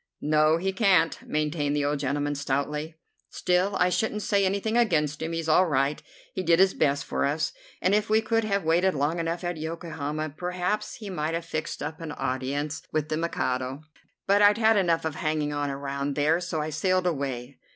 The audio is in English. "No, he can't," maintained the old gentleman stoutly. "Still, I shouldn't say anything against him; he's all right. He did his best for us, and if we could have waited long enough at Yokohama perhaps he might have fixed up an audience with the Mikado. But I'd had enough of hanging on around there, and so I sailed away.